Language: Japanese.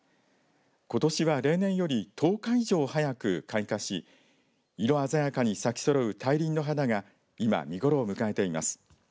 ことしは例年より１０日以上早く開花し色鮮やかに咲きそろう大輪の花が今、見頃を迎えています。